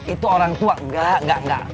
itu orang tua engga engga engga